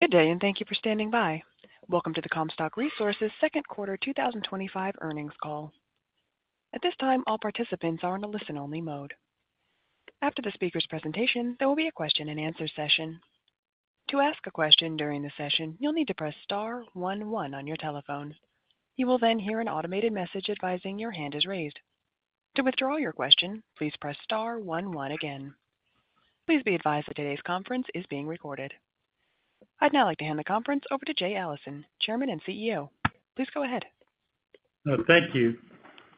Good day and thank you for standing by. Welcome to the Comstock Resources second quarter 2025 earnings call. At this time, all participants are in a listen-only mode. After the speaker's presentation, there will be a question and answer session. To ask a question during the session, you'll need to press star one one on your telephone. You will then hear an automated message advising your hand is raised. To withdraw your question, please press star one one again. Please be advised that today's conference is being recorded. I'd now like to hand the conference over to Jay Allison, Chairman and CEO. Please go ahead. Thank you.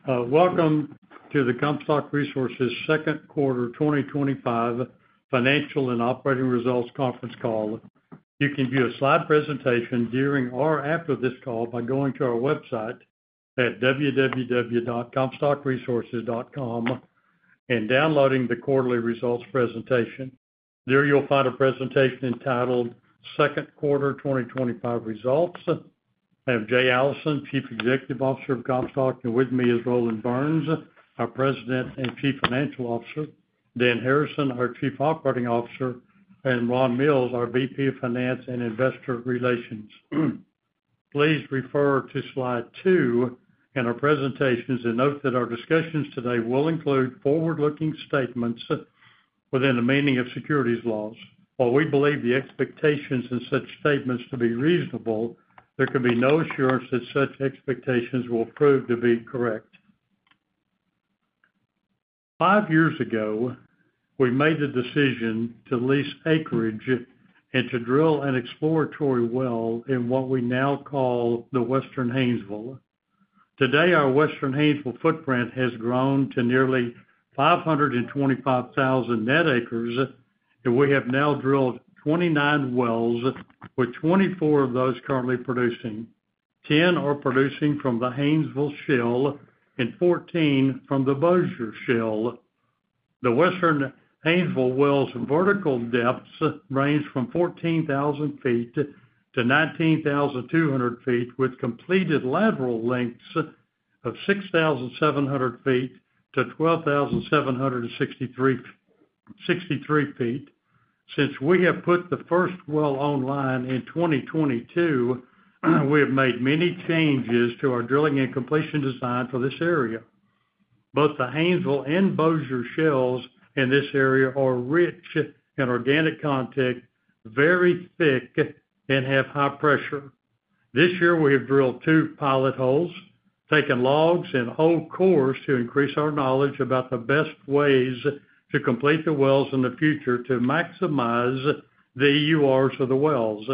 Welcome to the Comstock Resources second quarter 2025 financial and operating results conference call. You can view a slide presentation during or after this call by going to our website at www.comstockresources.com and downloading the quarterly results presentation. There you'll find a presentation entitled "Second Quarter 2025 Results." I'm Jay Allison, Chief Executive Officer of Comstock, and with me is Roland Burns, our President and Chief Financial Officer, Dan Harrison, our Chief Operating Officer, and Ron Eugene Mills, our Vice President of Finance and Investor Relations. Please refer to slide two in our presentations and note that our discussions today will include forward-looking statements within the meaning of securities laws. While we believe the expectations in such statements to be reasonable, there can be no assurance that such expectations will prove to be correct. Five years ago, we made the decision to lease acreage and to drill an exploratory well in what we now call the Western Haynesville. Today, our Western Haynesville footprint has grown to nearly 525,000 net acres, and we have now drilled 29 wells, with 24 of those currently producing. Ten are producing from the Haynesville Shale and 14 from the Bossier Shale. The Western Haynesville wells' vertical depths range from 14,000 ft-19,200 ft, with completed lateral lengths of 6,700 ft-12,763 ft. Since we have put the first well online in 2022, we have made many changes to our drilling and completion design for this area. Both the Haynesville and Bossier Shales in this area are rich in organic content, very thick, and have high pressure. This year, we have drilled two pilot holes, taken logs, and whole cores to increase our knowledge about the best ways to complete the wells in the future to maximize the EURs of the wells.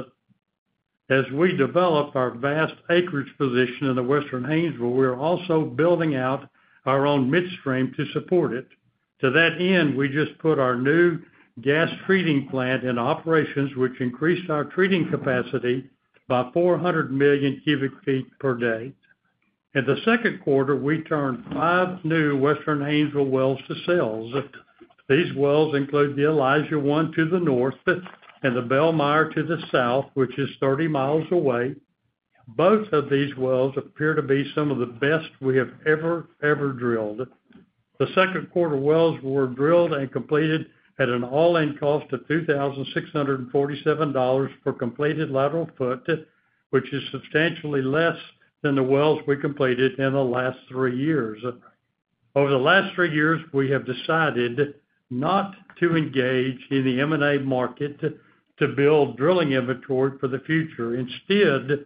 As we develop our vast acreage position in the Western Haynesville, we are also building out our own midstream infrastructure to support it. To that end, we just put our new gas treating plant in operations, which increased our treating capacity by 400 MMcf per day. In the second quarter, we turned five new Western Haynesville wells to sales. These wells include the Elijah One to the north and the Bell Meyer to the south, which is 30 mi away. Both of these wells appear to be some of the best we have ever drilled. The second quarter wells were drilled and completed at an all-in cost of $2,647 for completed lateral foot, which is substantially less than the wells we completed in the last three years. Over the last three years, we have decided not to engage in the M&A market to build drilling inventory for the future. Instead,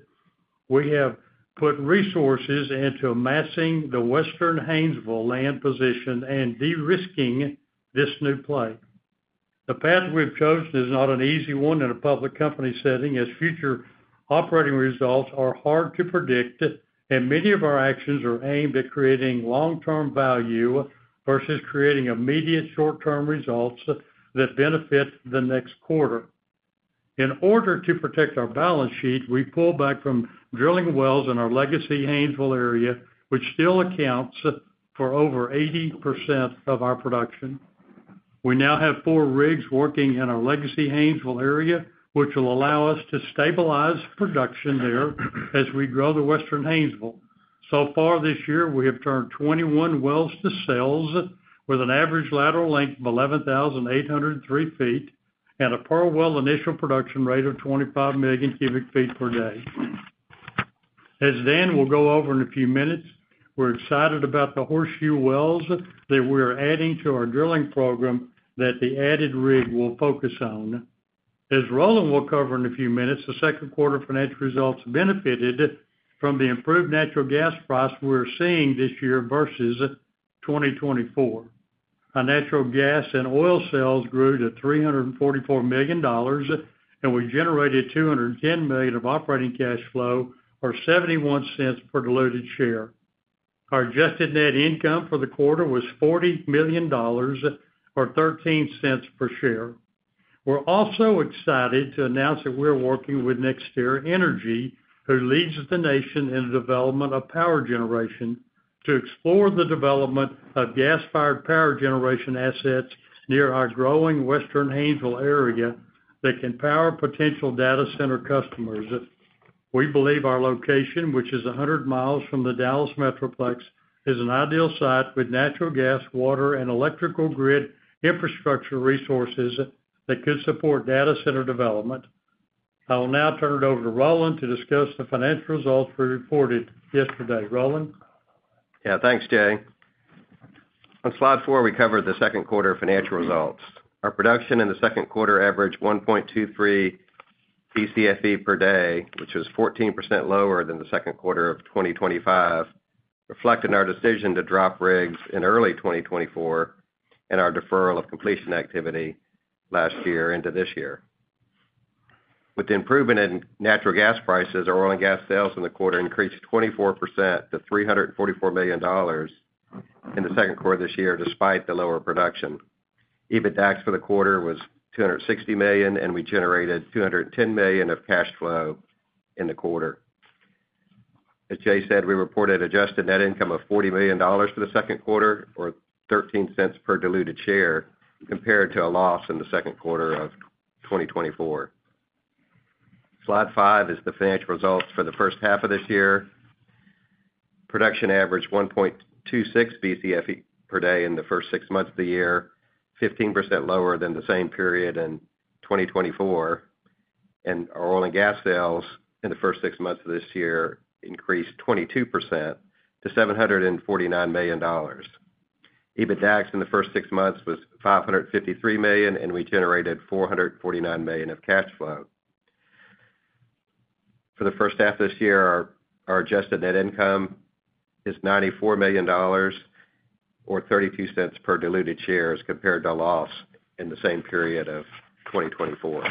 we have put resources into amassing the Western Haynesville land position and de-risking this new play. The path we've chosen is not an easy one in a public company setting, as future operating results are hard to predict, and many of our actions are aimed at creating long-term value versus creating immediate short-term results that benefit the next quarter. In order to protect our balance sheet, we pull back from drilling wells in our legacy Haynesville area, which still accounts for over 80% of our production. We now have four rigs working in our legacy Haynesville area, which will allow us to stabilize production there as we grow the Western Haynesville. So far this year, we have turned 21 wells to sales with an average lateral length of 11,803 ft and a per well initial production rate of 25 MMcf per day. As Dan will go over in a few minutes, we're excited about the Horseshoe Wells that we are adding to our drilling program that the added rig will focus on. As Roland will cover in a few minutes, the second quarter financial results benefited from the improved natural gas price we're seeing this year versus 2023. Our natural gas and oil sales grew to $344 million, and we generated $210 million of operating cash flow, or $0.71 per diluted share. Our adjusted net income for the quarter was $40 million, or $0.13 per share. We're also excited to announce that we're working with NextEra Energy, who leads the nation in the development of power generation, to explore the development of gas-fired power generation assets near our growing Western Haynesville area that can power potential data center customers. We believe our location, which is 100 mi from the Dallas Metroplex, is an ideal site with natural gas, water, and electrical grid infrastructure resources that could support data center development. I will now turn it over to Roland to discuss the financial results we reported yesterday. Roland? Yeah, thanks, Jay. On slide four, we covered the second quarter financial results. Our production in the second quarter averaged 1.23 Tcfe per day, which was 14% lower than the second quarter of 2024, reflecting our decision to drop rigs in early 2024 and our deferral of completion activity last year into this year. With the improvement in natural gas prices, our oil and gas sales in the quarter increased 24% to $344 million in the second quarter of this year, despite the lower production. EBITDA for the quarter was $260 million, and we generated $210 million of cash flow in the quarter. As Jay said, we reported an adjusted net income of $40 million for the second quarter, or $0.13 per diluted share, compared to a loss in the second quarter of 2024. Slide five is the financial results for the first half of this year. Production averaged 1.26 Bcfe per day in the first six months of the year, 15% lower than the same period in 2024, and our oil and gas sales in the first six months of this year increased 22% to $749 million. EBITDAX in the first six months was $553 million, and we generated $449 million of cash flow. For the first half of this year, our adjusted net income is $94 million, or $0.32 per diluted share, as compared to a loss in the same period of 2024.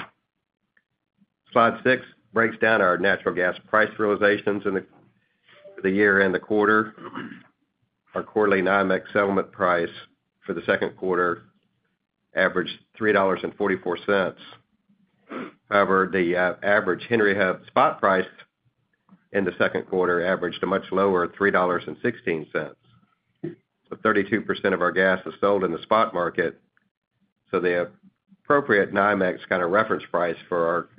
Slide six breaks down our natural gas price realizations in the year and the quarter. Our quarterly NYMEX settlement price for the second quarter averaged $3.44. However, the average Henry Hub spot price in the second quarter averaged a much lower $3.16. 32% of our gas is sold in the spot market, so the appropriate NYMEX kind of reference price for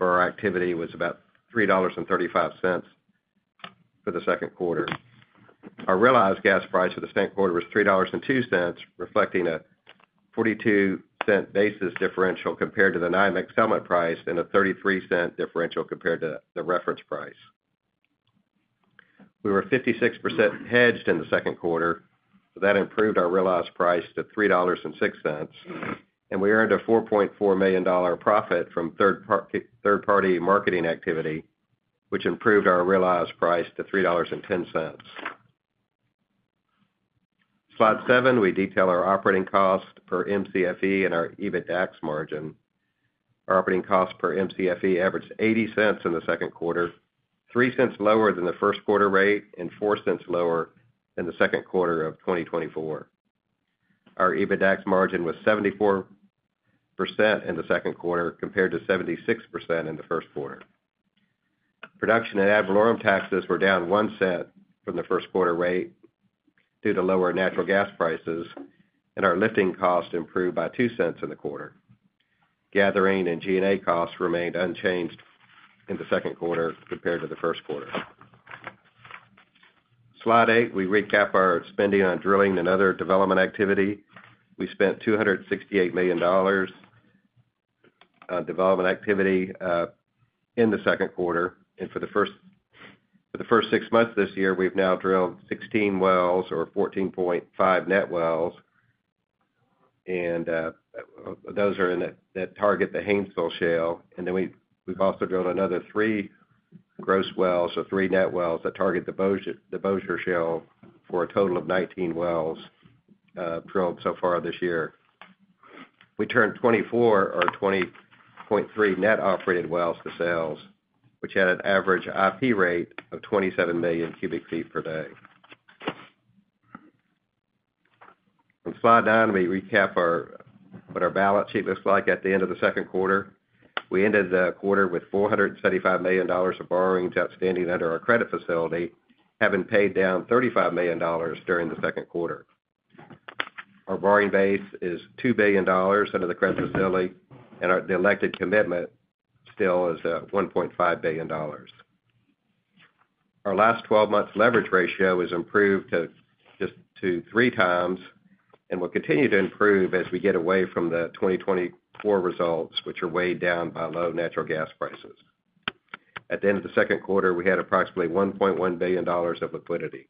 our activity was about $3.35 for the second quarter. Our realized gas price for the second quarter was $3.02, reflecting a $0.42 basis differential compared to the NYMEX settlement price and a $0.33 differential compared to the reference price. We were 56% hedged in the second quarter, which improved our realized price to $3.06, and we earned a $4.4 million profit from third-party marketing activity, which improved our realized price to $3.10. Slide seven, we detail our operating cost per Mcfe and our EBITDAX margin. Our operating cost per Mcfe averaged $0.80 in the second quarter, $0.03 lower than the first quarter rate, and $0.04 lower than the second quarter of 2024. Our EBITDAX margin was 74% in the second quarter compared to 76% in the first quarter. Production and ad valorem taxes were down $0.01 from the first quarter rate due to lower natural gas prices, and our lifting cost improved by $0.02 in the quarter. Gathering and G&A costs remained unchanged in the second quarter compared to the first quarter. Slide eight, we recap our spending on drilling and other development activity. We spent $268 million on development activity in the second quarter, and for the first six months of this year, we've now drilled 16 wells, or 14.5 net wells, and those are in that target the Haynesville shale. We have also drilled another three gross wells, so three net wells that target the Bossier shale for a total of 19 wells drilled so far this year. We turned 24, or 20.3 net operated wells to sales, which had an average IP rate of 27 Mmcf per day. On slide nine, we recap what our balance sheet looks like at the end of the second quarter. We ended the quarter with $475 million of borrowings outstanding under our credit facility, having paid down $35 million during the second quarter. Our borrowing base is $2 billion under the credit facility, and the elected commitment still is $1.5 billion. Our last 12 months' leverage ratio has improved just to three times and will continue to improve as we get away from the 2024 results, which are weighed down by low natural gas prices. At the end of the second quarter, we had approximately $1.1 billion of liquidity.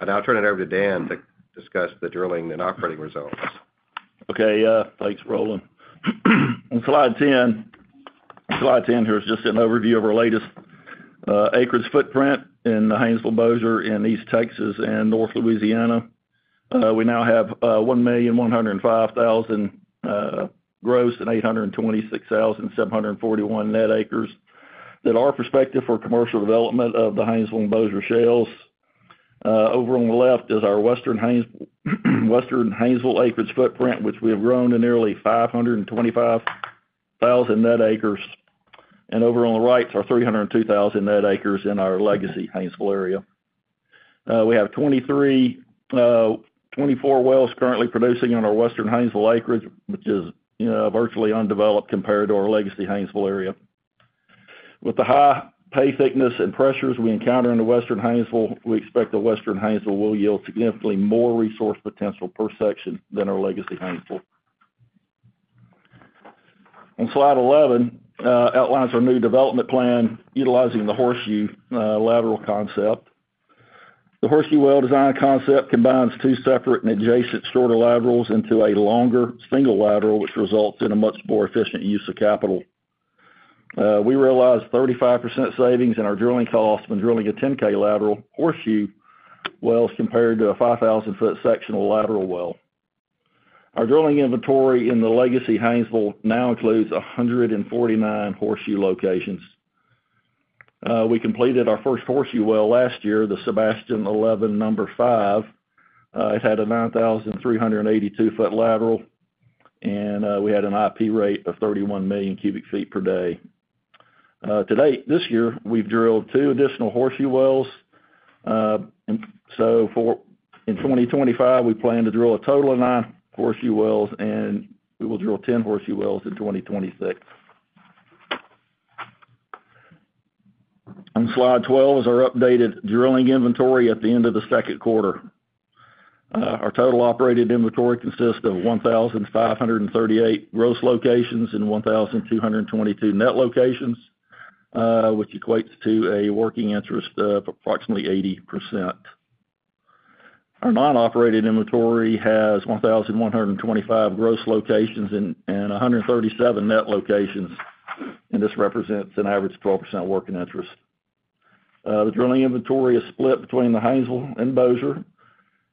I'll turn it over to Dan to discuss the drilling and operating results. Okay. Thanks, Roland. On slide 10, here's just an overview of our latest acreage footprint in the Haynesville, Bossier, and East Texas, and North Louisiana. We now have 1,105,000 gross and 826,741 net acres that are prospective for commercial development of the Haynesville and Bossier shales. Over on the left is our Western Haynesville acreage footprint, which we have grown to nearly 525,000 net acres. Over on the right is our 302,000 net acres in our legacy Haynesville area. We have 24 wells currently producing on our Western Haynesville acreage, which is virtually undeveloped compared to our legacy Haynesville area. With the high pay thickness and pressures we encounter in the Western Haynesville, we expect the Western Haynesville will yield significantly more resource potential per section than our legacy Haynesville. On slide 11, outlines our new development plan utilizing the Horseshoe Lateral Concept. The Horseshoe Well Design Concept combines two separate and adjacent shorter laterals into a longer single lateral, which results in a much more efficient use of capital. We realized 35% savings in our drilling costs when drilling a 10,000 ft lateral Horseshoe Well as compared to a 5,000 ft sectional lateral well. Our drilling inventory in the legacy Haynesville now includes 149 Horseshoe locations. We completed our first Horseshoe Well last year, the Sebastian 11 Number 5. It had a 9,382 ft lateral, and we had an IP rate of 31 Mmcf per day. This year, we've drilled two additional Horseshoe Wells. In 2025, we plan to drill a total of nine Horseshoe Wells, and we will drill 10 Horseshoe Wells in 2026. On slide 12 is our updated drilling inventory at the end of the second quarter. Our total operated inventory consists of 1,538 gross locations and 1,222 net locations, which equates to a working interest of approximately 80%. Our non-operated inventory has 1,125 gross locations and 137 net locations, and this represents an average of 12% working interest. The drilling inventory is split between the Haynesville and Bossier.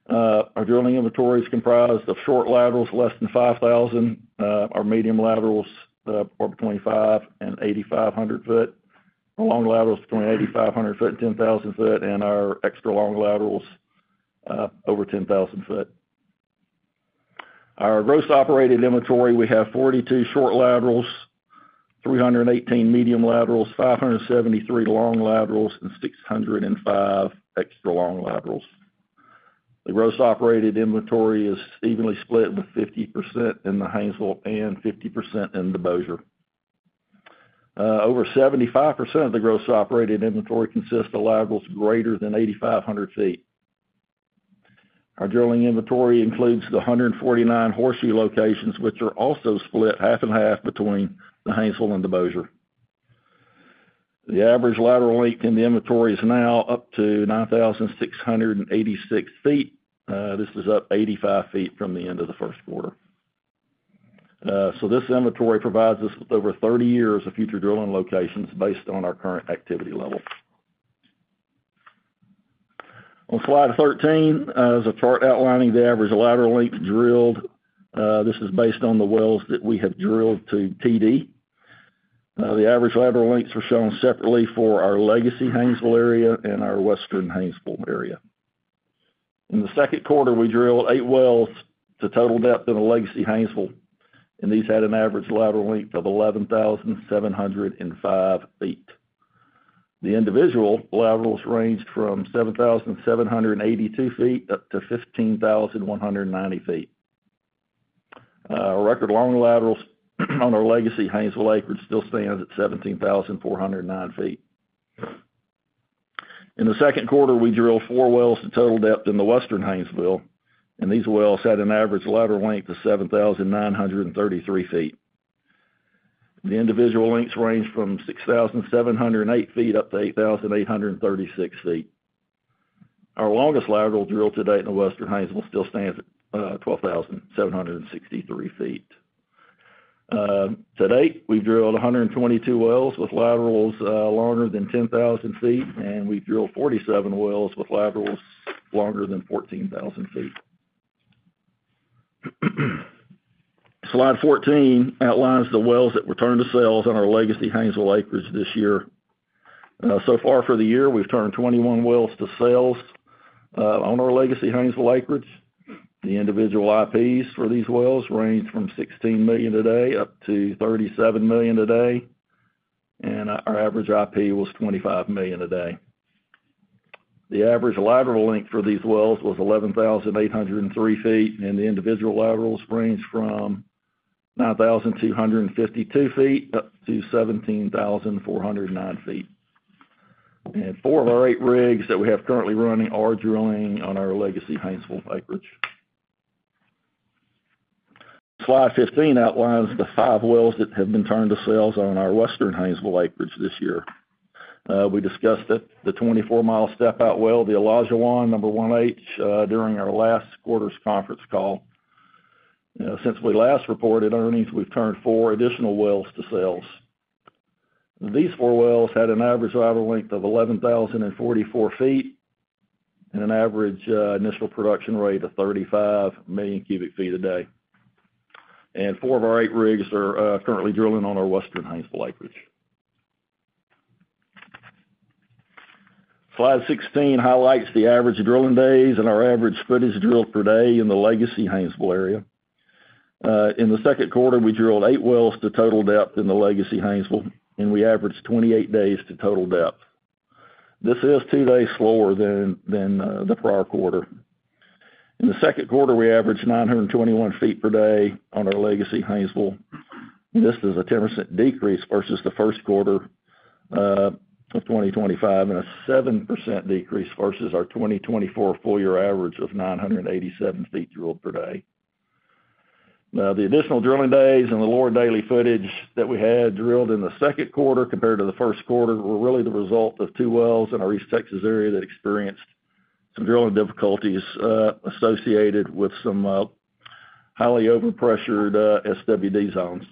Our drilling inventory is comprised of short laterals less than 5,000 ft. Our medium laterals are between 5,000 ft and 8,500 ft. Our long laterals are between 8,500 ft and 10,000 ft, and our extra long laterals are over 10,000 ft. Our gross operated inventory includes 42 short laterals, 318 medium laterals, 573 long laterals, and 605 extra long laterals. The gross operated inventory is evenly split with 50% in the Haynesville and 50% in the Bossier. Over 75% of the gross operated inventory consists of laterals greater than 8,500 ft. Our drilling inventory includes the 149 Horseshoe locations, which are also split half and half between the Haynesville and the Bossier. The average lateral length in the inventory is now up to 9,686 ft. This is up 85 ft from the end of the first quarter. This inventory provides us with over 30 years of future drilling locations based on our current activity level. On slide 13, there's a chart outlining the average lateral length drilled. This is based on the wells that we have drilled to TD. The average lateral lengths are shown separately for our legacy Haynesville area and our Western Haynesville area. In the second quarter, we drilled eight wells to total depth in the legacy Haynesville, and these had an average lateral length of 11,705 ft. The individual laterals ranged from 7,782 ft up to 15,190 ft. Our record-long laterals on our legacy Haynesville acreage still stand at 17,409 ft. In the second quarter, we drilled four wells to total depth in the Western Haynesville, and these wells had an average lateral length of 7,933 ft. The individual lengths range from 6,708 ft up to 8,836 ft. Our longest lateral drilled to date in the Western Haynesville still stands at 12,763 ft. To date, we've drilled 122 wells with laterals longer than 10,000 ft, and we've drilled 47 wells with laterals longer than 14,000 ft. Slide 14 outlines the wells that were turned to sales on our legacy Haynesville acreage this year. For the year, we've turned 21 wells to sales on our legacy Haynesville acreage. The individual IPs for these wells range from 16 MMcf a day up to 37 MMcf day, and our average IP was 25 MMcf a day. The average lateral length for these wells was 11,803 ft, and the individual laterals range from 9,252 ft up to 17,409 ft. Four of our eight rigs that we have currently running are drilling on our legacy Haynesville acreage. Slide 15 outlines the five wells that have been turned to sales on our Western Haynesville acreage this year. We discussed the 24 mi step-out well, the Elijah One Number 1H, during our last quarter's conference call. Since we last reported earnings, we've turned four additional wells to sales. These four wells had an average lateral length of 11,044 ft and an average initial production rate of 35 MMcf a day. Four of our eight rigs are currently drilling on our Western Haynesville acreage. Slide 16 highlights the average drilling days and our average footage drilled per day in the legacy Haynesville area. In the second quarter, we drilled eight wells to total depth in the legacy Haynesville, and we averaged 28 days to total depth. This is two days slower than the prior quarter. In the second quarter, we averaged 921 ft per day on our legacy Haynesville. This is a 10% decrease versus the first quarter of 2025 and a 7% decrease versus our 2024 full-year average of 987 ft drilled per day. The additional drilling days and the lower daily footage that we had drilled in the second quarter compared to the first quarter were really the result of two wells in our East Texas area that experienced some drilling difficulties associated with some highly overpressured SWD zones.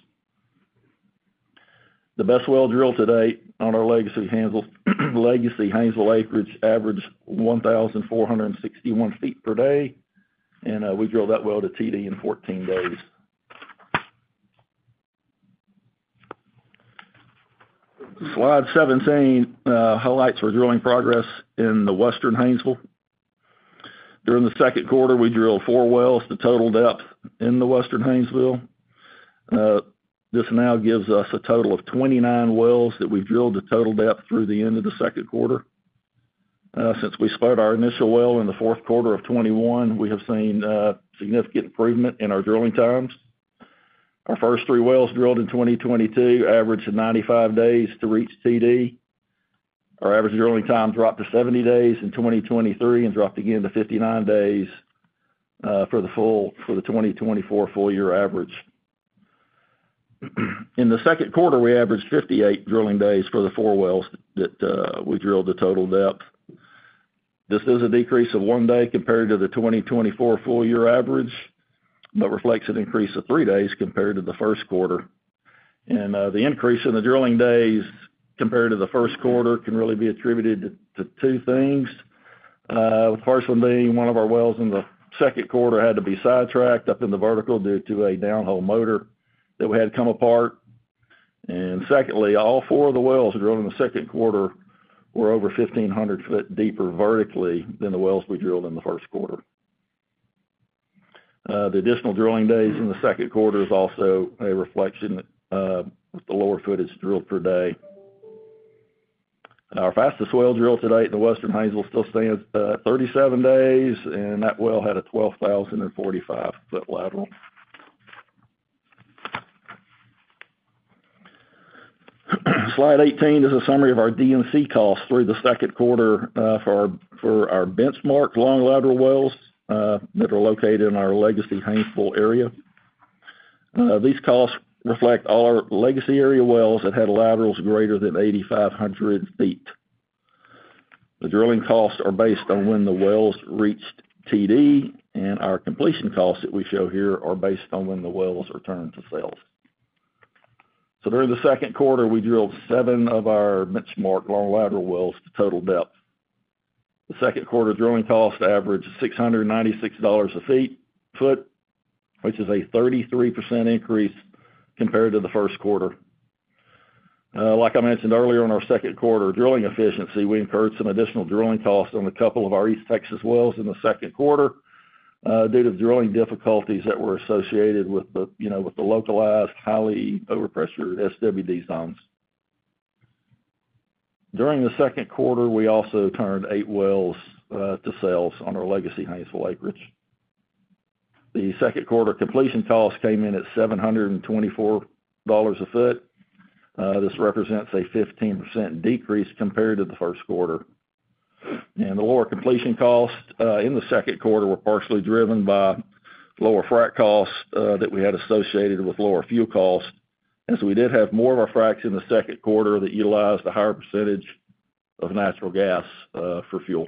The best well drilled to date on our legacy Haynesville acreage averaged 1,461 ft per day, and we drilled that well to TD in 14 days. Slide 17 highlights our drilling progress in the Western Haynesville. During the second quarter, we drilled four wells to total depth in the Western Haynesville. This now gives us a total of 29 wells that we've drilled to total depth through the end of the second quarter. Since we split our initial well in the fourth quarter of 2021, we have seen significant improvement in our drilling times. Our first three wells drilled in 2022 averaged 95 days to reach TD. Our average drilling time dropped to 70 days in 2023 and dropped again to 59 days for the 2024 full-year average. In the second quarter, we averaged 58 drilling days for the four wells that we drilled to total depth. This is a decrease of one day compared to the 2024 full-year average, but reflects an increase of three days compared to the first quarter. The increase in the drilling days compared to the first quarter can really be attributed to two things, with the first one being one of our wells in the second quarter had to be sidetracked up in the vertical due to a downhole motor that we had to come apart. Secondly, all four of the wells drilled in the second quarter were over 1,500 ft deeper vertically than the wells we drilled in the first quarter. The additional drilling days in the second quarter is also a reflection of the lower footage drilled per day. Our fastest well drilled to date in the Western Haynesville still stands at 37 days, and that well had a 12,045 ft lateral. Slide 18 is a summary of our D&C costs through the second quarter for our benchmark long lateral wells that are located in our legacy Haynesville area. These costs reflect all our legacy area wells that had laterals greater than 8,500 ft. The drilling costs are based on when the wells reached TD, and our completion costs that we show here are based on when the wells are turned to sales. During the second quarter, we drilled seven of our benchmark long lateral wells to total depth. The second quarter drilling cost averaged $696 a foot, which is a 33% increase compared to the first quarter. Like I mentioned earlier, in our second quarter drilling efficiency, we incurred some additional drilling costs on a couple of our East Texas wells in the second quarter due to drilling difficulties that were associated with the localized, highly overpressured SWD zones. During the second quarter, we also turned eight wells to sales on our legacy Haynesville acreage. The second quarter completion costs came in at $724 a foot. This represents a 15% decrease compared to the first quarter. The lower completion costs in the second quarter were partially driven by lower frack costs that we had associated with lower fuel costs, as we did have more of our fracks in the second quarter that utilized a higher percentage of natural gas for fuel.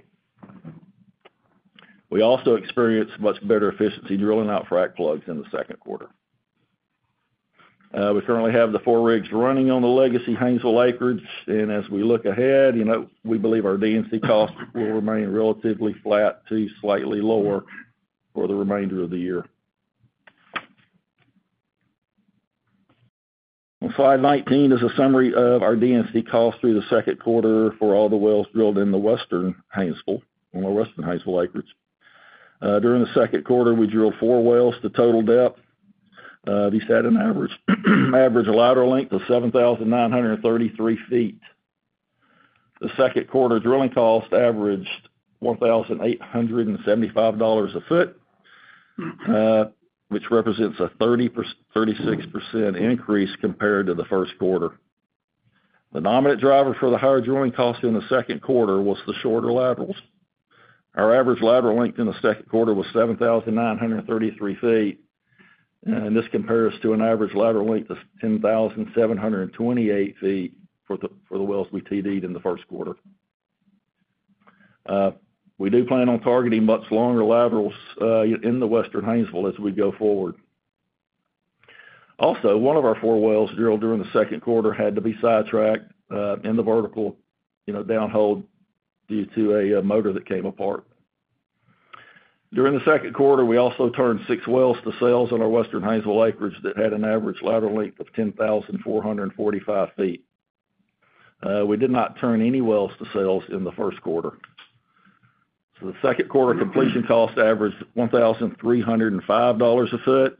We also experienced much better efficiency drilling out frack plugs in the second quarter. We currently have four rigs running on the legacy Haynesville acreage, and as we look ahead, we believe our D&C costs will remain relatively flat to slightly lower for the remainder of the year. On slide 19 is a summary of our D&C costs through the second quarter for all the wells drilled in the Western Haynesville acreage. During the second quarter, we drilled four wells to total depth. These had an average lateral length of 7,933 ft. The second quarter drilling cost averaged $1,875 a foot, which represents a 36% increase compared to the first quarter. The dominant driver for the higher drilling costs in the second quarter was the shorter laterals. Our average lateral length in the second quarter was 7,933 ft, and this compares to an average lateral length of 10,728 ft for the wells we TD'd in the first quarter. We do plan on targeting much longer laterals in the Western Haynesville as we go forward. Also, one of our four wells drilled during the second quarter had to be sidetracked in the vertical, downhole due to a motor that came apart. During the second quarter, we also turned six wells to sales on our Western Haynesville acreage that had an average lateral length of 10,445 ft. We did not turn any wells to sales in the first quarter. The second quarter completion cost averaged $1,305 a foot.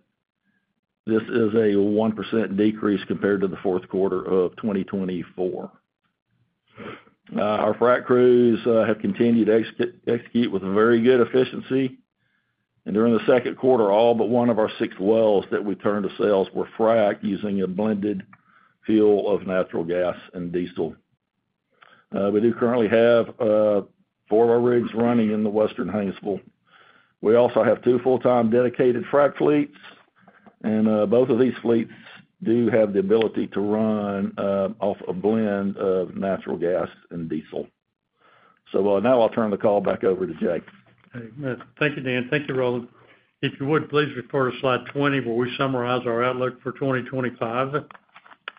This is a 1% decrease compared to the fourth quarter of 2024. Our frack crews have continued to execute with very good efficiency, and during the second quarter, all but one of our six wells that we turned to sales were fracked using a blended fuel of natural gas and diesel. We do currently have four of our rigs running in the Western Haynesville. We also have two full-time dedicated frack fleets, and both of these fleets do have the ability to run off a blend of natural gas and diesel. Now I'll turn the call back over to Jay. All right. Thank you, Dan. Thank you, Roland. If you would, please refer to slide 20 where we summarize our outlook for 2025.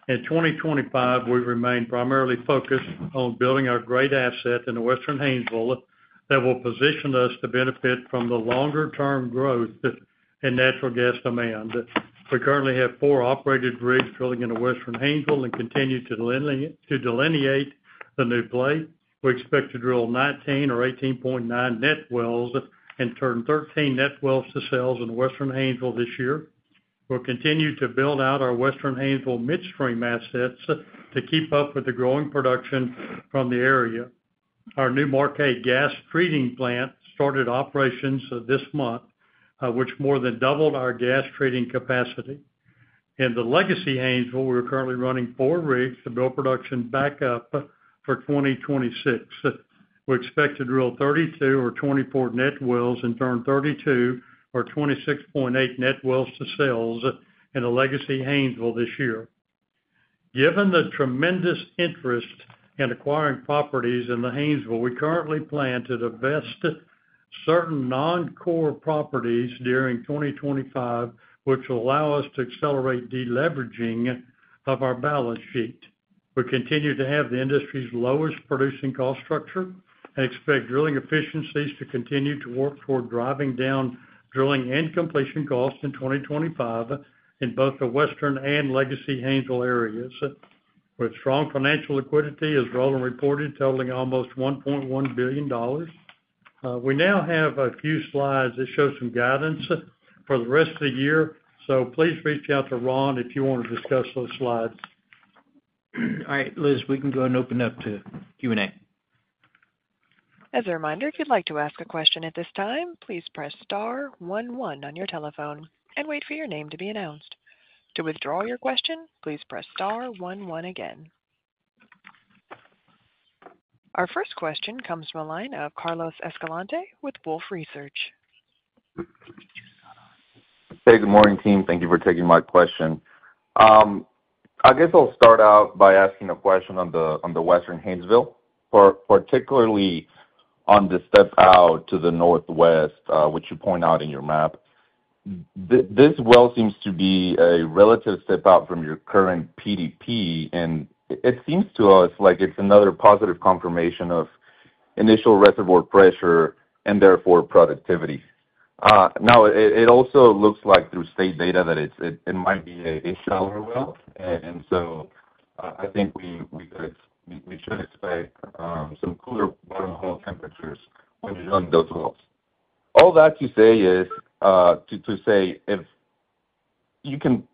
In 2025, we remain primarily focused on building our great asset in the Western Haynesville that will position us to benefit from the longer-term growth in natural gas demand. We currently have four operated rigs drilling in the Western Haynesville and continue to delineate the new play. We expect to drill 19 or 18.9 net wells and turn 13 net wells to sales in the Western Haynesville this year. We'll continue to build out our Western Haynesville midstream assets to keep up with the growing production from the area. Our new Marquette gas treating plant started operations this month, which more than doubled our gas treating capacity. In the legacy Haynesville, we're currently running four rigs to build production back up for 2026. We expect to drill 32 or 24 net wells and turn 32 or 26.8 net wells to sales in the legacy Haynesville this year. Given the tremendous interest in acquiring properties in the Haynesville, we currently plan to divest certain non-core properties during 2025, which will allow us to accelerate deleveraging of our balance sheet. We continue to have the industry's lowest producing cost structure and expect drilling efficiencies to continue to work toward driving down drilling and completion costs in 2025 in both the Western and legacy Haynesville areas with strong financial liquidity, as Roland reported, totaling almost $1.1 billion. We now have a few slides that show some guidance for the rest of the year, so please reach out to Ron if you want to discuss those slides. All right, Liz, we can go ahead and open it up to Q&A. As a reminder, if you'd like to ask a question at this time, please press star one one on your telephone and wait for your name to be announced. To withdraw your question, please press star one one again. Our first question comes from a line of Carlos Escalante with Wolfe Research. Hey, good morning, team. Thank you for taking my question. I guess I'll start out by asking a question on the Western Haynesville, particularly on the step out to the northwest, which you point out in your map. This well seems to be a relative step out from your current PDP, and it seems to us like it's another positive confirmation of initial reservoir pressure and therefore productivity. Now, it also looks like through state data that it might be a shallower well, and so I think we should expect some cooler waterfall temperatures when drilling those wells. All that to say is if you can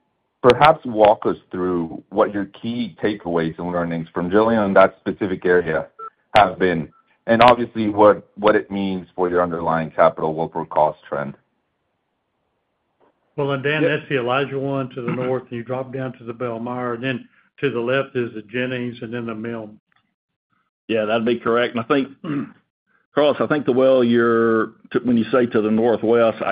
perhaps walk us through what your key takeaways and learnings from drilling in that specific area have been, and obviously what it means for your underlying capital worker cost trend. Roland, Dan, that's the Elijah One to the north, you drop down to the Bell Meyer, and to the left is the Jennings and then the Menn. Yeah, that'd be correct. I think, Carlos, the well you're, when you say to the northwest,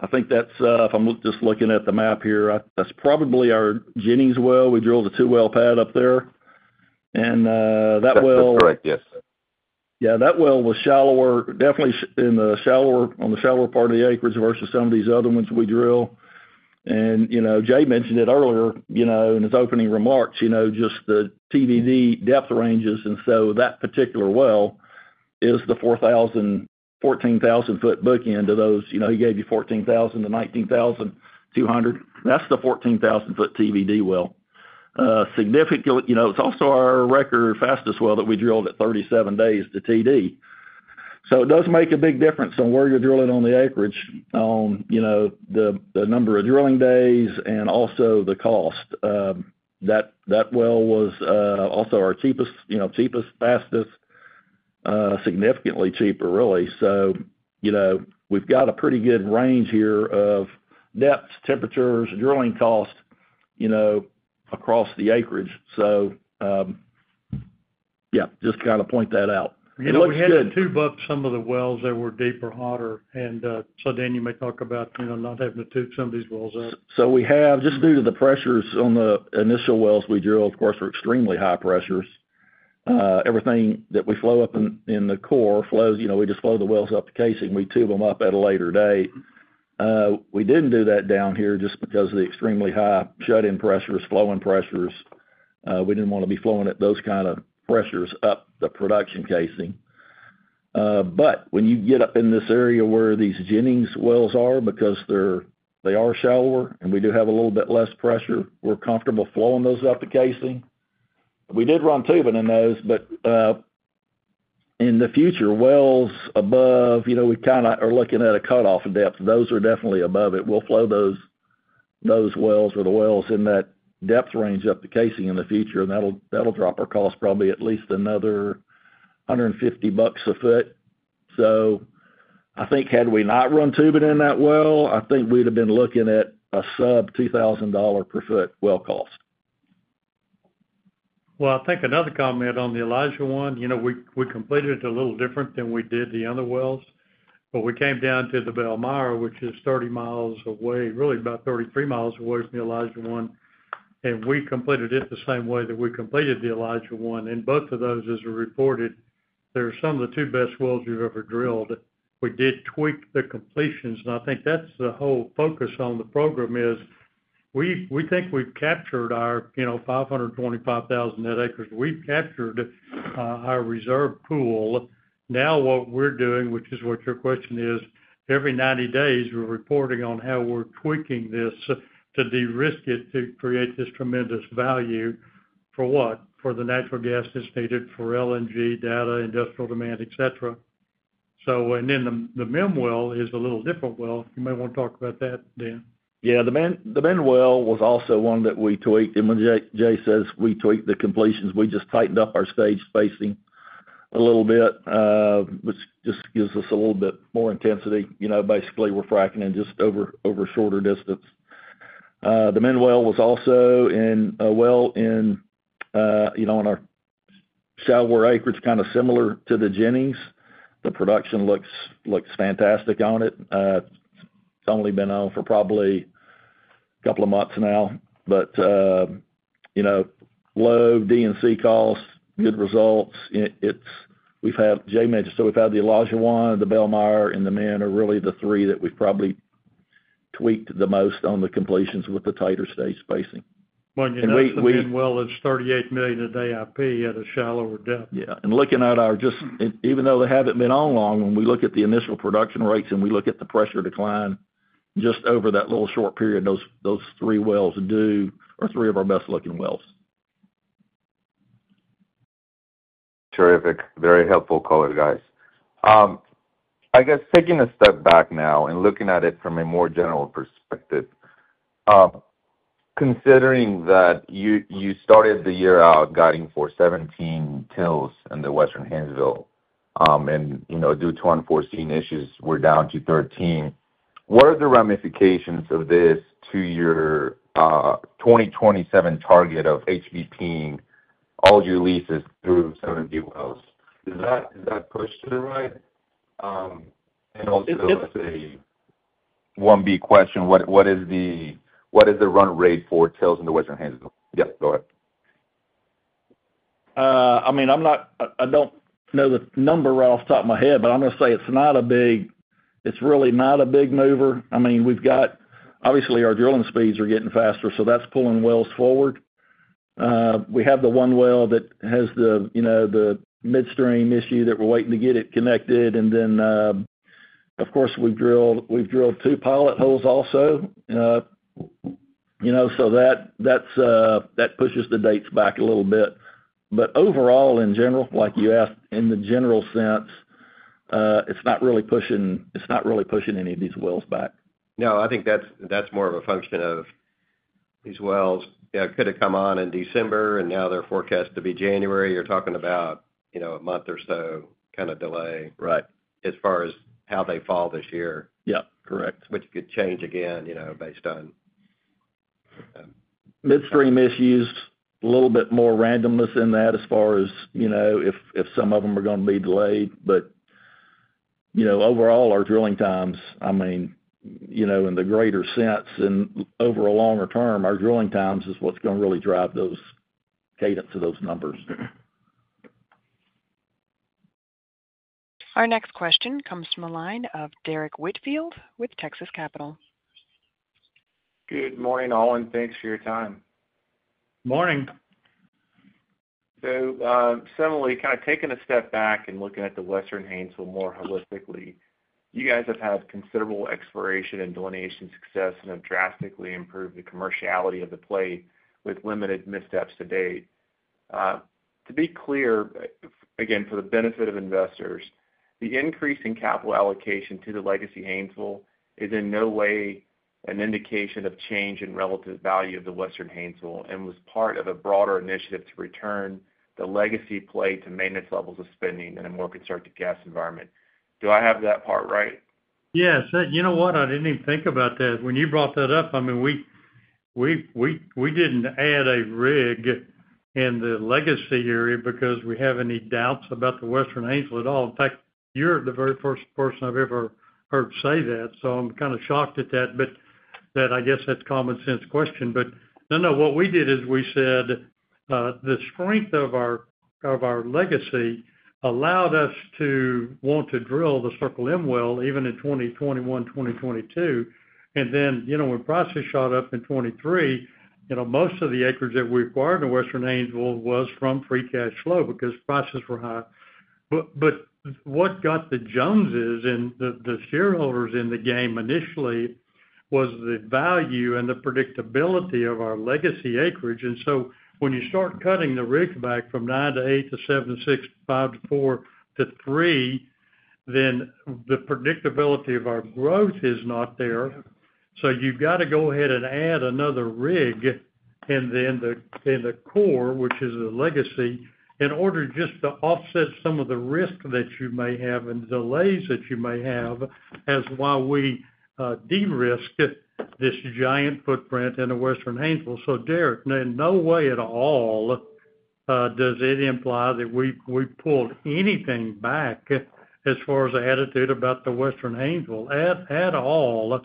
I think that's, if I'm just looking at the map here, that's probably our Jennings well. We drilled a two-well pad up there, and that well. That's correct, yes. Yeah, that well was definitely on the shallower part of the acreage versus some of these other ones we drill. Jay mentioned it earlier in his opening remarks, just the TBD depth ranges. That particular well is the 14,000 ft bookend to those. He gave you 14,000 ft-19,200 ft. That's the 14,000 ft TBD well. It's also our record fastest well that we drilled at 37 days to TD. It does make a big difference on where you're drilling on the acreage, the number of drilling days, and also the cost. That well was also our cheapest, fastest, significantly cheaper, really. We've got a pretty good range here of depths, temperatures, drilling costs across the acreage. Just kind of point that out. We had to tube up some of the wells that were deeper, hotter. Dan, you may talk about, you know, not having to tube some of these wells out. We have, just due to the pressures on the initial wells we drilled, of course, were extremely high pressures. Everything that we flow up in the core flows, you know, we just flow the wells up the casing. We tube them up at a later date. We didn't do that down here just because of the extremely high shut-in pressures, flowing pressures. We didn't want to be flowing at those kind of pressures up the production casing. When you get up in this area where these Jennings wells are, because they are shallower and we do have a little bit less pressure, we're comfortable flowing those up the casing. We did run tubing in those, but in the future, wells above, you know, we kind of are looking at a cutoff depth. Those are definitely above it. We'll flow those wells or the wells in that depth range up the casing in the future, and that'll drop our costs probably at least another $150 a foot. I think had we not run tubing in that well, I think we'd have been looking at a sub-$2,000 per foot well cost. I think another comment on the Elijah One, you know, we completed it a little different than we did the other wells, but we came down to the Bell Meyer, which is 30 mi away, really about 33 mi away from the Elijah One, and we completed it the same way that we completed the Elijah One. Both of those, as I reported, they're some of the two best wells we've ever drilled. We did tweak the completions, and I think that's the whole focus on the program. We think we've captured our, you know, 525,000 net acres. We've captured our reserve pool. Now what we're doing, which is what your question is, every 90 days, we're reporting on how we're tweaking this to de-risk it to create this tremendous value for what? For the natural gas that's needed for LNG, data, industrial demand, etc. The Mill Well is a little different well. You may want to talk about that, Dan. Yeah, the Menn Well was also one that we tweaked. When Jay says we tweaked the completions, we just tightened up our stage spacing a little bit, which just gives us a little bit more intensity. Basically, we're fracking in just over a shorter distance. The Menn Well was also in a well on our shallower acreage, kind of similar to the Jennings. The production looks fantastic on it. It's only been on for probably a couple of months now, but low D&C costs, good results. Jay mentioned we've had the Elijah One, the Bell Meyer, and the Menn are really the three that we've probably tweaked the most on the completions with the tighter stage spacing. The Menn Well is 38 MMcf a day IP at a shallower depth. Yeah, looking at our, just even though they haven't been on long, when we look at the initial production rates and we look at the pressure decline just over that little short period, those three wells are three of our best-looking wells. Terrific. Very helpful call, guys. I guess taking a step back now and looking at it from a more general perspective, considering that you started the year out guiding for 17 tills in the Western Haynesville, and you know, due to unforeseen issues, we're down to 13. What are the ramifications of this to your 2027 target of HVPing all your leases through 17 wells? Is that pushed to the right? Also, that's a 1B question. What is the run rate for tills in the Western Haynesville? Yeah, go ahead. I mean, I don't know the number right off the top of my head, but I'm going to say it's not a big, it's really not a big mover. I mean, we've got, obviously, our drilling speeds are getting faster, so that's pulling wells forward. We have the one well that has the, you know, the midstream issue that we're waiting to get it connected. Of course, we've drilled two pilot holes also, you know, so that pushes the dates back a little bit. Overall, in general, like you asked, in the general sense, it's not really pushing, it's not really any of these wells back. No, I think that's more of a function of these wells. It could have come on in December, and now they're forecast to be January. You're talking about a month or so kind of delay, right, as far as how they fall this year. Yeah, correct. Which could change again, you know, based on. Midstream issues, a little bit more randomness in that as far as if some of them are going to be delayed. Overall, our drilling times, I mean, in the greater sense and over a longer term, our drilling times is what's going to really drive those cadence of those numbers. Our next question comes from a line of Derrick Lee Whitfield with Texas Capital Securities. Good morning, all, and thanks for your time. Morning. Similarly, kind of taking a step back and looking at the Western Haynesville more holistically, you guys have had considerable exploration and delineation success and have drastically improved the commerciality of the play with limited missteps to date. To be clear, again, for the benefit of investors, the increase in capital allocation to the legacy Haynesville is in no way an indication of change in relative value of the Western Haynesville and was part of a broader initiative to return the legacy play to maintenance levels of spending in a more constructive gas environment. Do I have that part right? Yes. You know what? I didn't even think about that. When you brought that up, I mean, we didn't add a rig in the legacy area because we have any doubts about the Western Haynesville at all. In fact, you're the very first person I've ever heard say that. I'm kind of shocked at that. I guess that's a common sense question. No, what we did is we said, the strength of our legacy allowed us to want to drill the Circle M Well even in 2021, 2022. When prices shot up in 2023, most of the acreage that we acquired in the Western Haynesville was from free cash flow because prices were high. What got the Joneses and the shareholders in the game initially was the value and the predictability of our legacy acreage. When you start cutting the rigs back from nine to eight to seven to six, five to four to three, the predictability of our growth is not there. You've got to go ahead and add another rig in the core, which is the legacy, in order just to offset some of the risk that you may have and the delays that you may have as we de-risk this giant footprint in the Western Haynesville. Derek, in no way at all does it imply that we pulled anything back as far as the attitude about the Western Haynesville at all.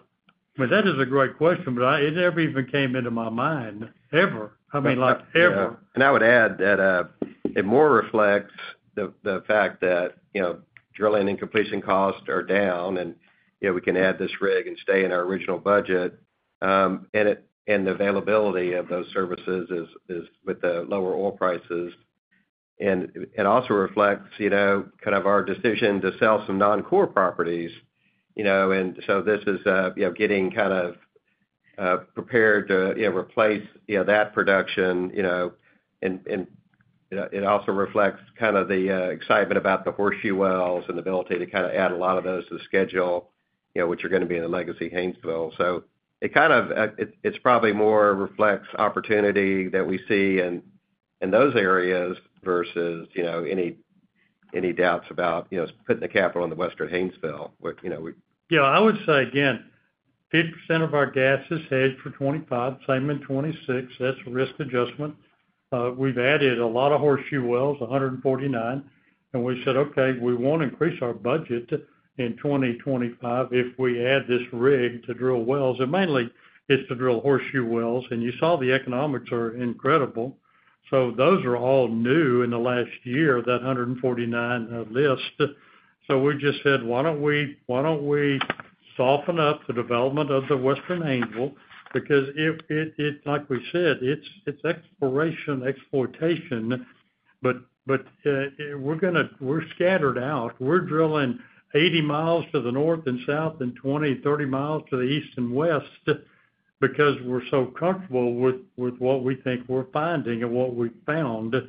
That is a great question, but it never even came into my mind, ever. I mean, like ever. I would add that it more reflects the fact that, you know, drilling and completion costs are down, and, you know, we can add this rig and stay in our original budget. The availability of those services is with the lower oil prices. It also reflects, you know, kind of our decision to sell some non-core properties. This is, you know, getting kind of prepared to, you know, replace, you know, that production. It also reflects kind of the excitement about the Horseshoe Wells and the ability to kind of add a lot of those to the schedule, you know, which are going to be in the legacy Haynesville. It probably more reflects opportunity that we see in those areas versus, you know, any doubts about, you know, putting the capital in the Western Haynesville. Yeah, I would say, again, 50% of our gas is headed for 2025, same in 2026. That's a risk adjustment. We've added a lot of Horseshoe Wells, 149, and we said, okay, we won't increase our budget in 2025 if we add this rig to drill wells. Mainly it's to drill Horseshoe Wells, and you saw the economics are incredible. Those are all new in the last year, that 149 list. We just said, why don't we soften up the development of the Western Haynesville? Because, like we said, it's exploration, exploitation. We're going to, we're scattered out. We're drilling 80 mi to the north and south and 20 mi, 30 mi to the east and west because we're so comfortable with what we think we're finding and what we found. At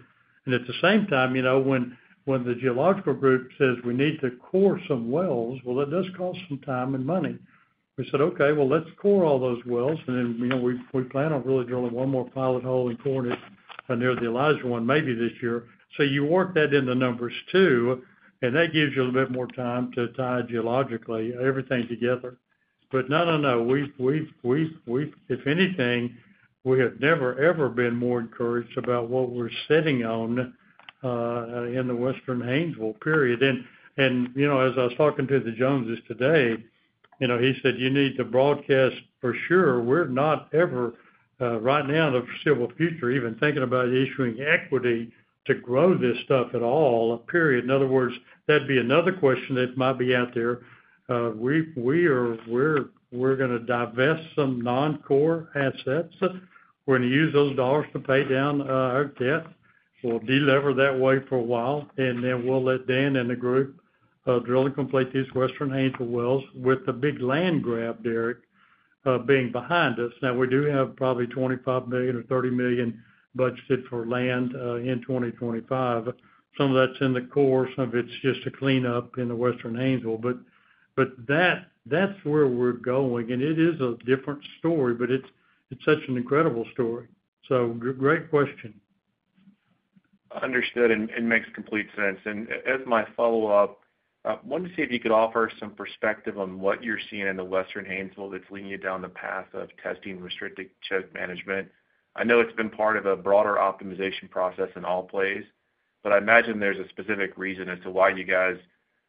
the same time, when the geological group says we need to core some wells, that does cost some time and money. We said, okay, let's core all those wells. We plan on really drilling one more pilot hole and coring it near the Elijah One maybe this year. You work that in the numbers too, and that gives you a little bit more time to tie geologically everything together. No, we've never ever been more encouraged about what we're sitting on in the Western Haynesville period. As I was talking to the Joneses today, he said, you need to broadcast for sure. We're not ever, right now in the foreseeable future, even thinking about issuing equity to grow this stuff at all. Period. In other words, that'd be another question that might be out there. We are going to divest some non-core assets. We're going to use those dollars to pay down our debt. We'll delever that way for a while, and then we'll let Dan and the group drill and complete these Western Haynesville wells with the big land grab, Derek, being behind us. We do have probably $25 million or $30 million budgeted for land in 2025. Some of that's in the core, some of it's just a cleanup in the Western Haynesville. That's where we're going, and it is a different story, but it's such an incredible story. Great question. Understood. It makes complete sense. As my follow-up, I wanted to see if you could offer some perspective on what you're seeing in the Western Haynesville that's leading you down the path of testing restricted choke management. I know it's been part of a broader optimization process in all plays, but I imagine there's a specific reason as to why you guys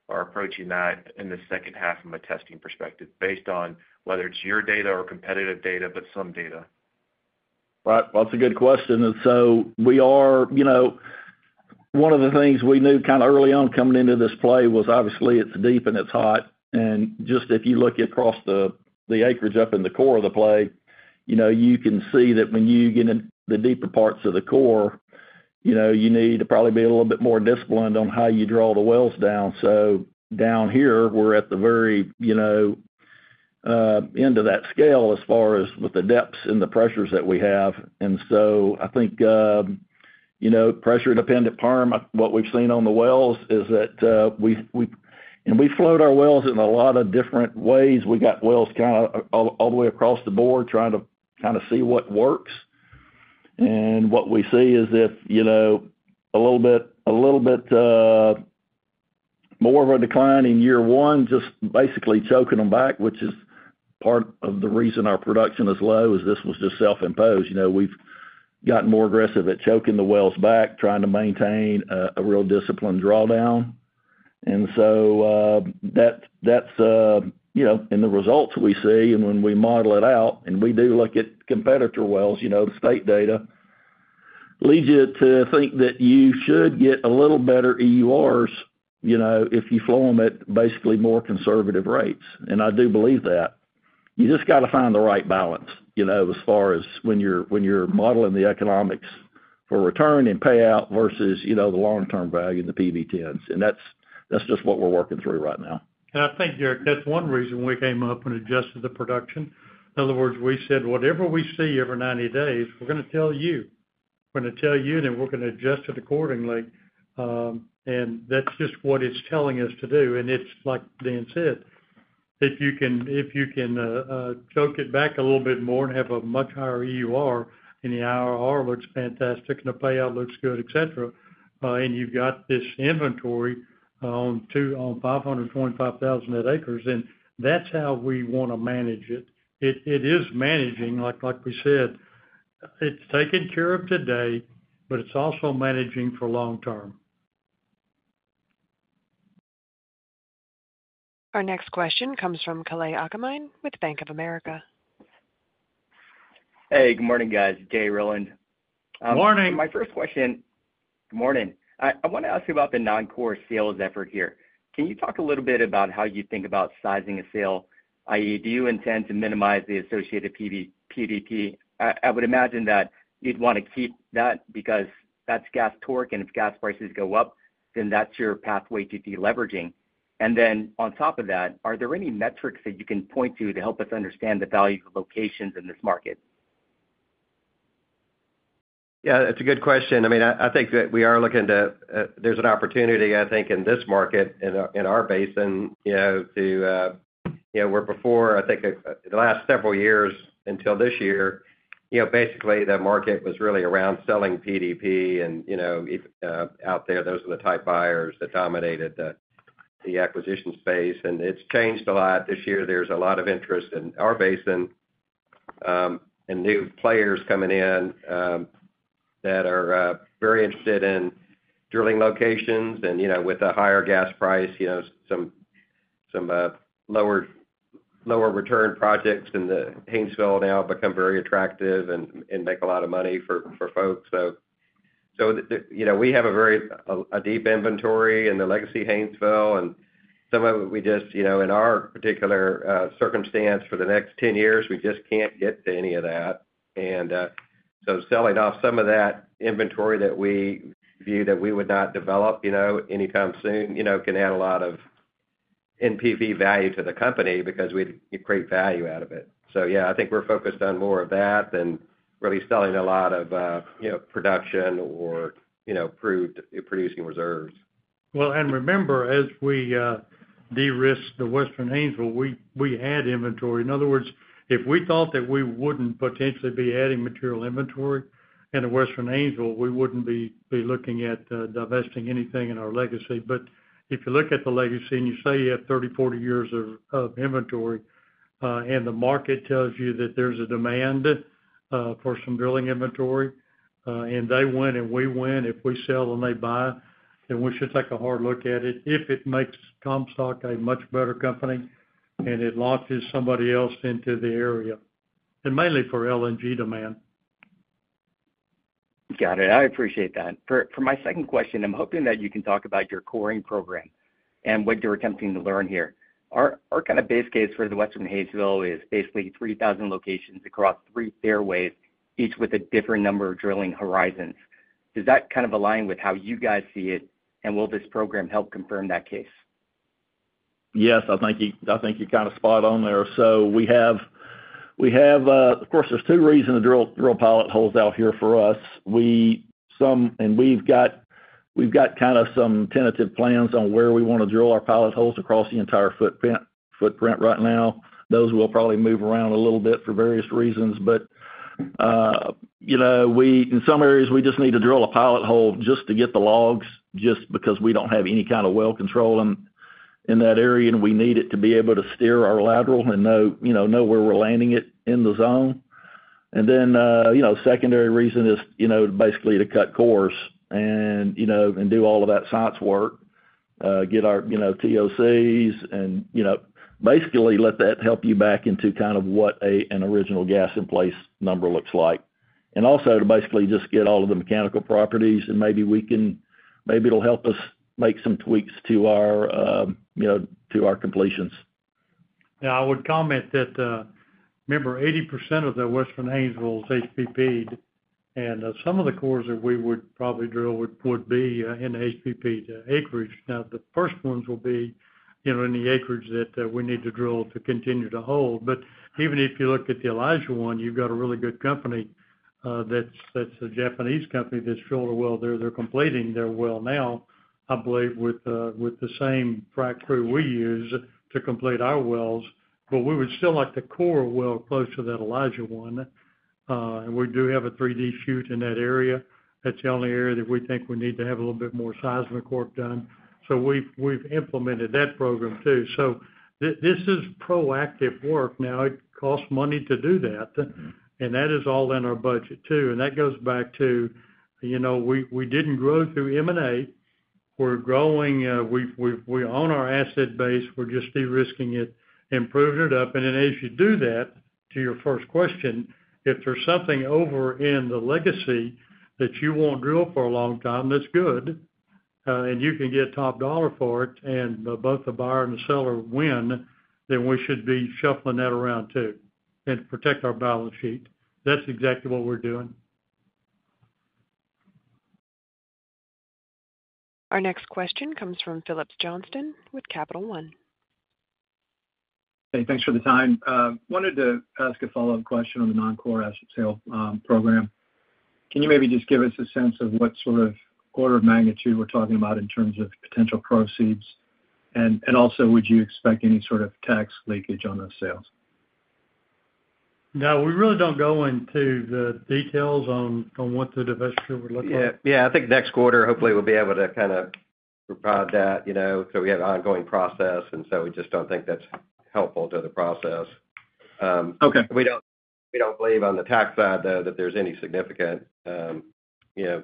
are approaching that in the second half from a testing perspective based on whether it's your data or competitive data, but some data. Right. That's a good question. One of the things we knew kind of early on coming into this play was obviously it's deep and it's hot. If you look across the acreage up in the core of the play, you can see that when you get in the deeper parts of the core, you need to probably be a little bit more disciplined on how you draw the wells down. Down here, we're at the very end of that scale as far as with the depths and the pressures that we have. I think pressure-dependent harm, what we've seen on the wells is that we float our wells in a lot of different ways. We got wells kind of all the way across the board trying to see what works. What we see is a little bit more of a decline in year one, just basically choking them back, which is part of the reason our production is low. This was just self-imposed. We've gotten more aggressive at choking the wells back, trying to maintain a real disciplined drawdown. That's in the results we see, and when we model it out and we do look at competitor wells, the state data leads you to think that you should get a little better EURs if you flow them at basically more conservative rates. I do believe that. You just got to find the right balance as far as when you're modeling the economics for return and payout versus the long-term value in the PV-10s. That's just what we're working through right now. I think, Derek, that's one reason we came up and adjusted the production. In other words, we said, whatever we see every 90 days, we're going to tell you. We're going to tell you, and then we're going to adjust it accordingly. That's just what it's telling us to do. Like Dan said, if you can choke it back a little bit more and have a much higher EUR, and the IRR looks fantastic, and the payout looks good, etc., and you've got this inventory on 525,000 net acres, then that's how we want to manage it. It is managing, like we said, it's taken care of today, but it's also managing for long term. Our next question comes from Kalei Akamine with Bank of America. Hey, good morning, guys. Jay, Roland. Morning. My first question, good morning. I want to ask you about the non-core sales effort here. Can you talk a little bit about how you think about sizing a sale, i.e., do you intend to minimize the associated PDP? I would imagine that you'd want to keep that because that's gas torque, and if gas prices go up, then that's your pathway to deleveraging. On top of that, are there any metrics that you can point to to help us understand the value of locations in this market? Yeah. It's a good question. I think that we are looking to there's an opportunity, I think, in this market in our basin, you know, where before, I think the last several years until this year, basically the market was really around selling PDP. If out there, those are the type buyers that dominated the acquisition space. It's changed a lot this year. There's a lot of interest in our basin and new players coming in that are very interested in drilling locations. With a higher gas price, some lower return projects in the Haynesville now become very attractive and make a lot of money for folks. We have a very deep inventory in the legacy Haynesville. Some of it we just, in our particular circumstance for the next 10 years, we just can't get to any of that. Selling off some of that inventory that we view that we would not develop anytime soon can add a lot of NPV value to the company because we'd create value out of it. I think we're focused on more of that than really selling a lot of production or producing reserves. As we de-risk the Western Haynesville, we add inventory. In other words, if we thought that we wouldn't potentially be adding material inventory in the Western Haynesville, we wouldn't be looking at divesting anything in our legacy. If you look at the legacy and you say you have 30, 40 years of inventory, and the market tells you that there's a demand for some drilling inventory, and they win and we win if we sell and they buy, we should take a hard look at it if it makes Comstock a much better company and it launches somebody else into the area, and mainly for LNG demand. Got it. I appreciate that. For my second question, I'm hoping that you can talk about your coring program and what you're attempting to learn here. Our kind of base case for the Western Haynesville is basically 3,000 locations across three fairways, each with a different number of drilling horizons. Does that kind of align with how you guys see it? Will this program help confirm that case? Yes, I think you're kind of spot on there. We have, of course, there's two reasons to drill pilot holes out here for us. We've got kind of some tentative plans on where we want to drill our pilot holes across the entire footprint right now. Those will probably move around a little bit for various reasons. In some areas, we just need to drill a pilot hole just to get the logs because we don't have any kind of well control in that area, and we need it to be able to steer our lateral and know where we're landing it in the zone. A secondary reason is basically to cut cores and do all of that science work, get our TOCs, and basically let that help you back into kind of what an original gas in place number looks like. Also, to basically just get all of the mechanical properties, and maybe it'll help us make some tweaks to our completions. Now, I would comment that, remember, 80% of the Western Haynesville is HPPed. Some of the cores that we would probably drill would be in the HPPed acreage. The first ones will be in the acreage that we need to drill to continue to hold. Even if you look at the Elijah One, you've got a really good company, that's a Japanese company that's drilled a well there. They're completing their well now, I believe, with the same frack crew we use to complete our wells. We would still like to core a well close to that Elijah One. We do have a 3D shoot in that area. That's the only area that we think we need to have a little bit more seismic work done. We've implemented that program too. This is proactive work. It costs money to do that, and that is all in our budget too. That goes back to, you know, we didn't grow through M&A. We're growing, we own our asset base. We're just de-risking it, improving it up. As you do that, to your first question, if there's something over in the legacy that you won't drill for a long time, that's good, and you can get top dollar for it, and both the buyer and the seller win, we should be shuffling that around too and protect our balance sheet. That's exactly what we're doing. Our next question comes from Phillips Johnston with Capital One Securities. Hey, thanks for the time. I wanted to ask a follow-up question on the non-core asset sale program. Can you maybe just give us a sense of what sort of order of magnitude we're talking about in terms of potential proceeds? Would you expect any sort of tax leakage on those sales? No, we really don't go into the details on what the divestiture would look like. Yeah, I think next quarter, hopefully, we'll be able to kind of provide that. We have an ongoing process, and we just don't think that's helpful to the process. We don't believe on the tax side, though, that there's any significant, you know,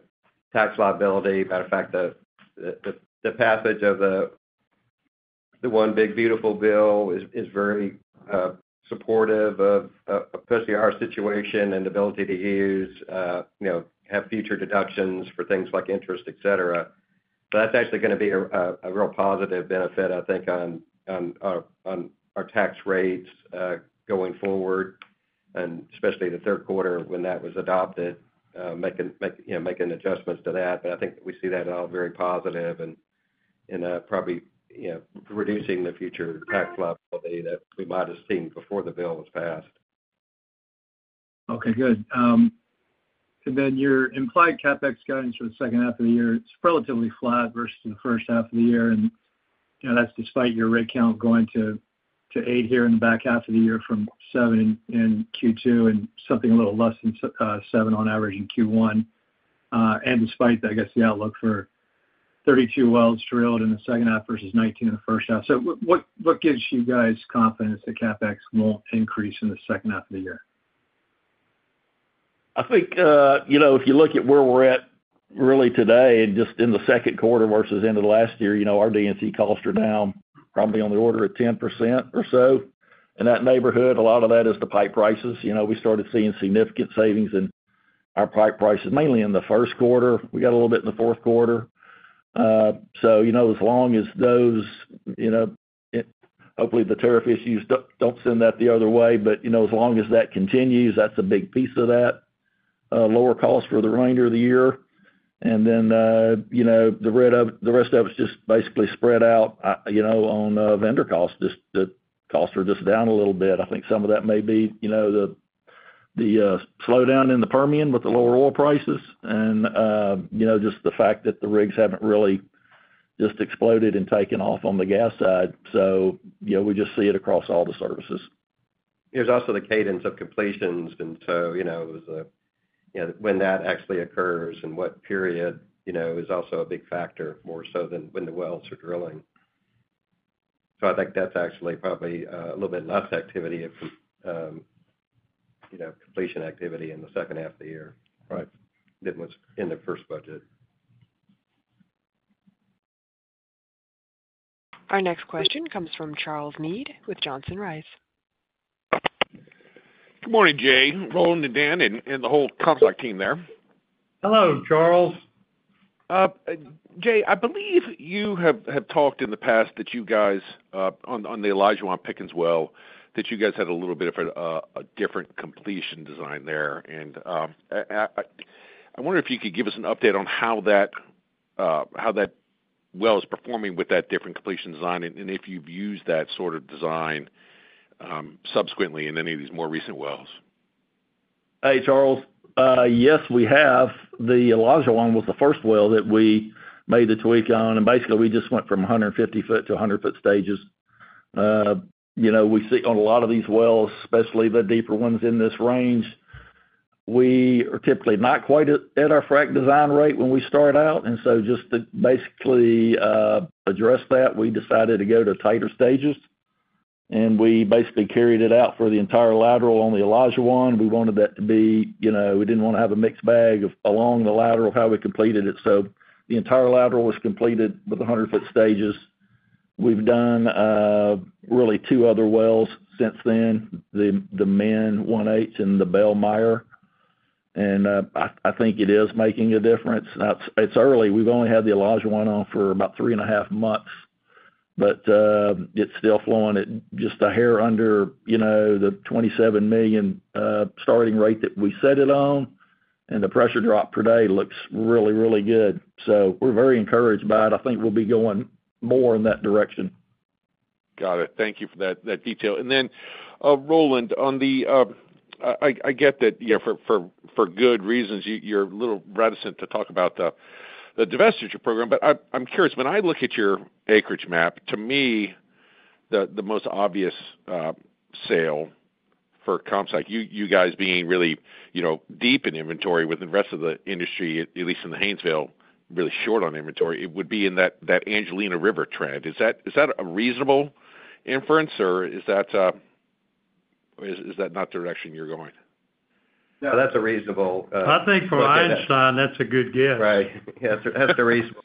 tax liability. Matter of fact, the passage of the one big beautiful bill is very supportive of, especially our situation and the ability to use, you know, have future deductions for things like interest, etc. That's actually going to be a real positive benefit, I think, on our tax rates going forward, and especially the third quarter when that was adopted, making adjustments to that. I think that we see that all very positive and probably, you know, reducing the future tax liability that we might have seen before the bill was passed. Okay, good. And then your implied CapEx guidance for the second half of the year, it's relatively flat versus the first half of the year. That's despite your rig count going to 8 here in the back half of the year from 7 in Q2 and something a little less than 7 on average in Q1. Despite that, I guess the outlook for 32 wells drilled in the second half versus 19 in the first half. What gives you guys confidence that CapEx won't increase in the second half of the year? I think, you know, if you look at where we're at really today and just in the second quarter versus end of last year, our D&C costs are down probably on the order of 10% or so in that neighborhood. A lot of that is the pipe prices. We started seeing significant savings in our pipe prices, mainly in the first quarter. We got a little bit in the fourth quarter. As long as those, hopefully the tariff issues don't send that the other way, but as long as that continues, that's a big piece of that, lower cost for the remainder of the year. The rest of it's just basically spread out on vendor costs. The costs are just down a little bit. I think some of that may be the slowdown in the Permian with the lower oil prices, and just the fact that the rigs haven't really just exploded and taken off on the gas side. We just see it across all the services. There's also the cadence of completions. You know, when that actually occurs and what period, you know, is also a big factor, more so than when the wells are drilling. I think that's actually probably a little bit less activity of, you know, completion activity in the second half of the year than was in the first budget. Our next question comes from Charles Meade with Johnson Rice. Good morning, Jay, Roland, and Dan, and the whole Comstock team there. Hello, Charles. Jay, I believe you have talked in the past that you guys, on the Elijah One, Pickens Well, that you guys had a little bit of a different completion design there. I wonder if you could give us an update on how that well is performing with that different completion design and if you've used that sort of design subsequently in any of these more recent wells. Hey, Charles. Yes, we have. The Elijah One was the first well that we made the tweak on. Basically, we just went from 150 ft to 100 ft stages. You know, we see on a lot of these wells, especially the deeper ones in this range, we are typically not quite at our frack design rate when we start out. Just to basically address that, we decided to go to tighter stages. We basically carried it out for the entire lateral on the Elijah One. We wanted that to be, you know, we didn't want to have a mixed bag of along the lateral how we completed it. The entire lateral was completed with 100 ft stages. We've done really two other wells since then, the Menn 1H and the Bell Meyer. I think it is making a difference. It's early. We've only had the Elijah One on for about three and a half months, but it's still flowing at just a hair under, you know, the 27 MMcf starting rate that we set it on. The pressure drop per day looks really, really good. We're very encouraged by it. I think we'll be going more in that direction. Got it. Thank you for that detail. Roland, on the, I get that, you know, for good reasons, you're a little reticent to talk about the divestiture program. I'm curious, when I look at your acreage map, to me, the most obvious sale for Comstock Resources, you guys being really, you know, deep in inventory with the rest of the industry, at least in the Haynesville, really short on inventory, it would be in that Angelina River trend. Is that a reasonable inference, or is that not the direction you're going? No, that's reasonable. I think for Einstein, that's a good guess. Right. Yeah, that's reasonable.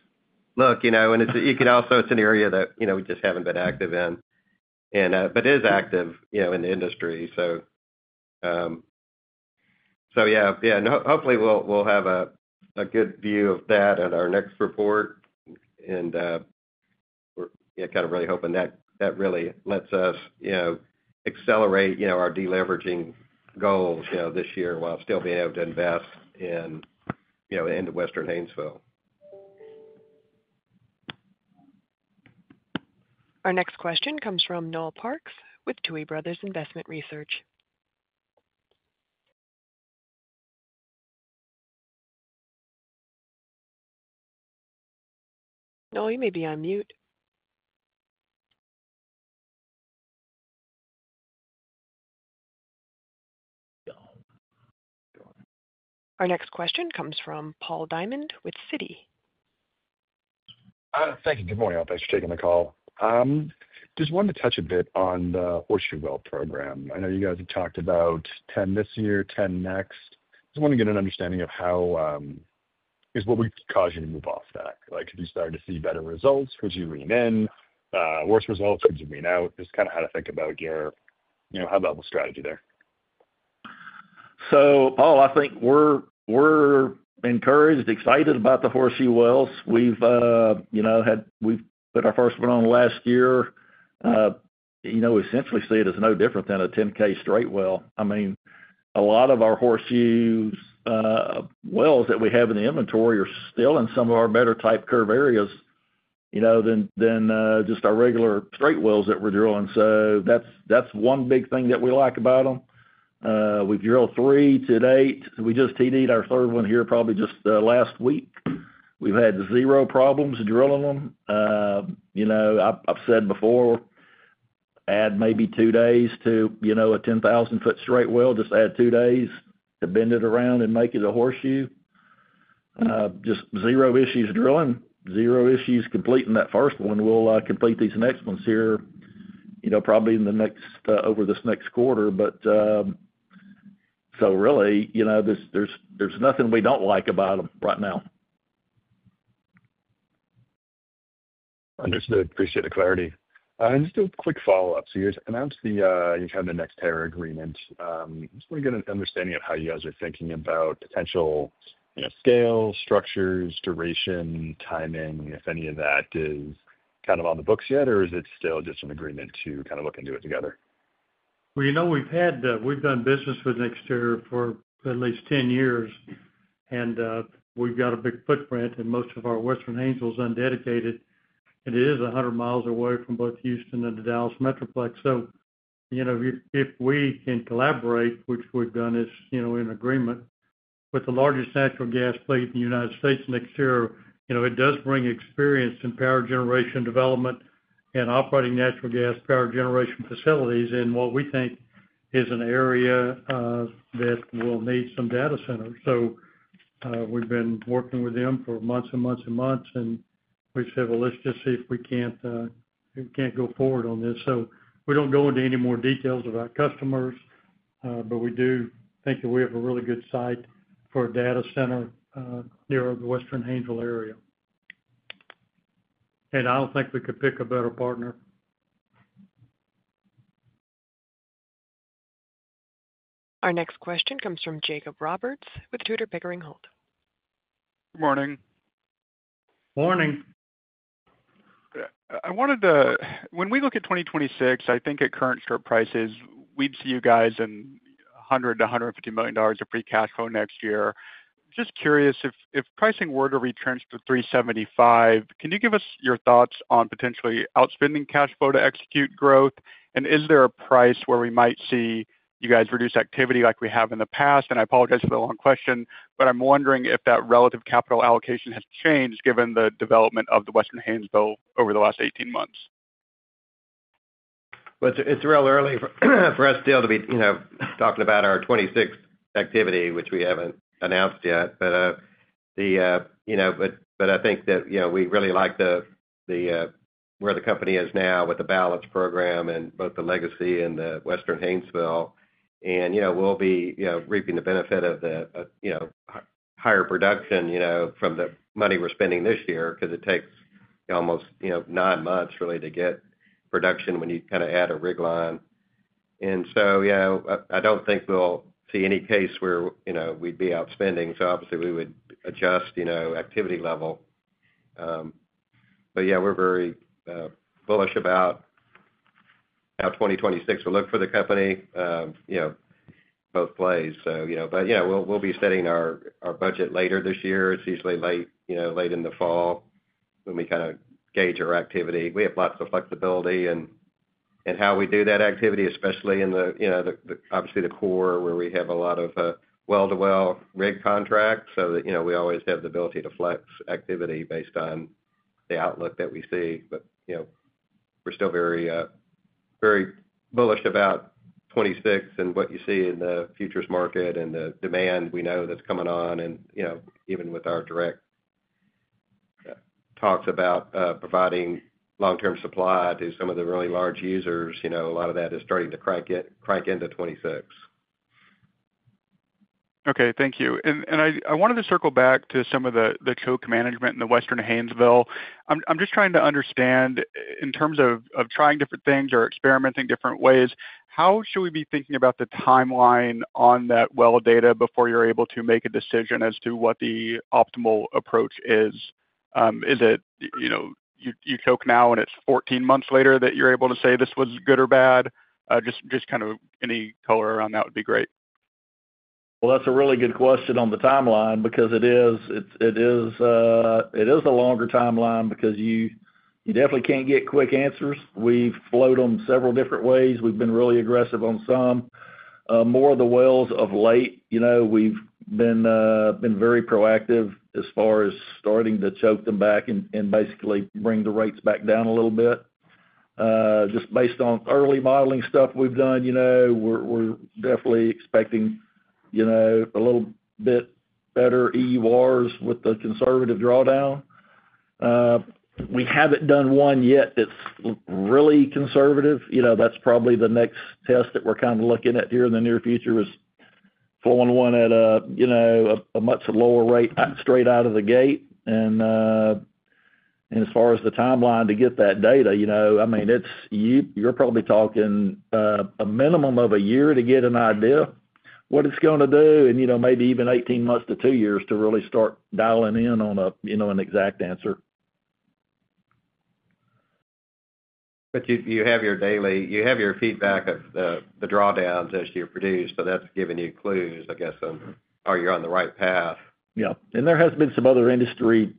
Look, you know, it's an area that, you know, we just haven't been active in, and it is active in the industry. Yeah, hopefully, we'll have a good view of that in our next report. We're kind of really hoping that really lets us accelerate our deleveraging goals this year while still being able to invest into Western Haynesville. Our next question comes from Noel Parks with Tuohy Brothers Investment Research. Noel, you may be on mute. Our next question comes from Paul Diamond with Citi. Good morning, all. Thanks for taking my call. I just wanted to touch a bit on the Horseshoe Well program. I know you guys have talked about 10 this year, 10 next. I just want to get an understanding of how, is what would cause you to move off that? Like, if you started to see better results, would you lean in? Worse results, would you lean out? Just kind of how to think about your, you know, high-level strategy there. I think we're encouraged, excited about the Horseshoe Wells. We've had, we put our first one on last year. We essentially see it as no different than a 10K straight well. A lot of our Horseshoe Wells that we have in the inventory are still in some of our better type curve areas than just our regular straight wells that we're drilling. That's one big thing that we like about them. We drill three to date. We just TD'd our third one here probably just last week. We've had zero problems drilling them. I've said before, add maybe two days to a 10,000-foot straight well, just add two days to bend it around and make it a Horseshoe. Just zero issues drilling, zero issues completing that first one. We'll complete these next ones here probably in the next, over this next quarter. Really, there's nothing we don't like about them right now. Understood. Appreciate the clarity. Just a quick follow-up. You announced the, you have the NextEra Energy agreement. I just want to get an understanding of how you guys are thinking about potential, you know, scale, structures, duration, timing, if any of that is kind of on the books yet, or is it still just an agreement to kind of look into it together? You know, we've done business with NextEra Energy for at least 10 years. We've got a big footprint, and most of our Western Haynesville is undedicated. It is 100 miles away from both Houston and the Dallas Metroplex. If we can collaborate, which we've done in agreement with the largest natural gas play in the United States, NextEra Energy brings experience in power generation development and operating natural gas power generation facilities in what we think is an area that will need some data centers. We've been working with them for months and months, and we said, let's just see if we can't go forward on this. We don't go into any more details of our customers, but we do think that we have a really good site for a data center near the Western Haynesville area. I don't think we could pick a better partner. Our next question comes from Jacob Roberts with Tudor, Pickering, Holt. Good morning. Morning. I wanted to, when we look at 2026, I think at current strip prices, we'd see you guys in $100 million-$150 million of free cash flow next year. Just curious, if pricing were to retrench to $3.75, can you give us your thoughts on potentially outspending cash flow to execute growth? Is there a price where we might see you guys reduce activity like we have in the past? I apologize for the long question, but I'm wondering if that relative capital allocation has changed given the development of the Western Haynesville over the last 18 months? It's real early for us still to be talking about our 2026 activity, which we haven't announced yet. I think that we really like where the company is now with the balanced program and both the legacy Haynesville and the Western Haynesville. We'll be reaping the benefit of the higher production from the money we're spending this year because it takes almost nine months really to get production when you kind of add a rig line. I don't think we'll see any case where we'd be outspending. Obviously, we would adjust activity level. We're very bullish about how 2026 will look for the company, both plays. We'll be setting our budget later this year. It's usually late in the fall when we kind of gauge our activity. We have lots of flexibility in how we do that activity, especially in the core where we have a lot of well-to-well rig contracts so that we always have the ability to flex activity based on the outlook that we see. We're still very, very bullish about 2026 and what you see in the futures market and the demand we know that's coming on. Even with our direct talks about providing long-term supply to some of the really large users, a lot of that is starting to crank into 2026. Okay, thank you. I wanted to circle back to some of the co-command management in the Western Haynesville. I'm just trying to understand in terms of trying different things or experimenting different ways, how should we be thinking about the timeline on that well data before you're able to make a decision as to what the optimal approach is? Is it, you choke now and it's 14 months later that you're able to say this was good or bad? Just any color around that would be great. That's a really good question on the timeline because it is the longer timeline because you definitely can't get quick answers. We've flowed them several different ways. We've been really aggressive on some, more of the wells of late. We've been very proactive as far as starting to choke them back and basically bring the rates back down a little bit. Just based on early modeling stuff we've done, we're definitely expecting a little bit better EURs with the conservative drawdown. We haven't done one yet that's really conservative. That's probably the next test that we're kind of looking at here in the near future, flowing one at a much lower rate straight out of the gate. As far as the timeline to get that data, you're probably talking a minimum of a year to get an idea of what it's going to do and maybe even 18 months to two years to really start dialing in on an exact answer. You have your daily, you have your feedback of the drawdowns as you produce. That's giving you clues, I guess, on are you on the right path? There have been some other industry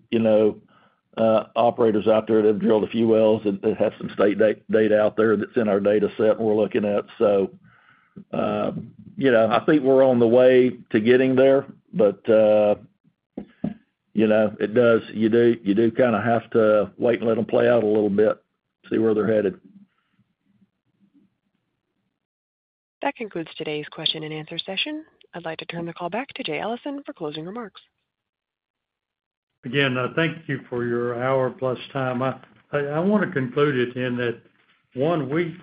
operators out there that have drilled a few wells that have some state data out there that's in our data set and we're looking at. I think we're on the way to getting there, but it does, you do kind of have to wait and let them play out a little bit, see where they're headed. That concludes today's question and answer session. I'd like to turn the call back to Jay Allison for closing remarks. Again, thank you for your hour-plus time. I want to conclude it in that one, we,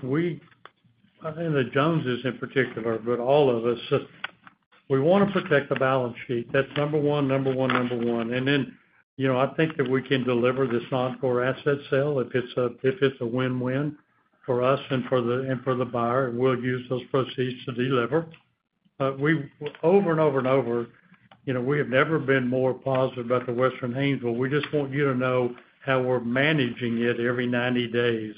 in the Joneses in particular, but all of us, we want to protect the balance sheet. That's number one, number one, number one. I think that we can deliver this non-core asset sale if it's a win-win for us and for the buyer, and we'll use those proceeds to deliver. We have never been more positive about the Western Haynesville. We just want you to know how we're managing it every 90 days.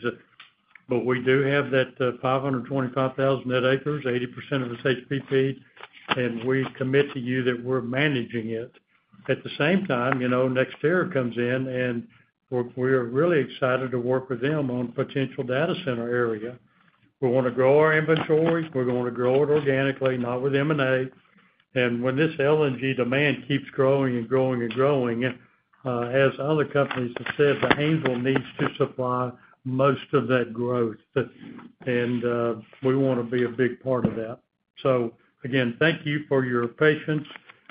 We do have that 525,000 net acres, 80% of it's HPP'd, and we commit to you that we're managing it. At the same time, you know, NextEra comes in and we are really excited. to work with them on a potential data center area. We want to grow our inventory. We're going to grow it organically, not with M&A. When this LNG demand keeps growing and growing and growing, as other companies have said, the Haynesville needs to supply most of that growth. We want to be a big part of that. Thank you for your patience.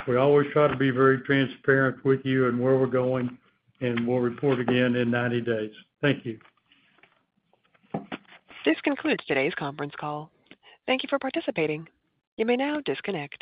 We always try to be very transparent with you and where we're going. We'll report again in 90 days. Thank you. This concludes today's conference call. Thank you for participating. You may now disconnect.